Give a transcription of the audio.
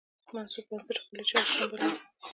مطلوب بنسټ خپلې چارې سمبالوي.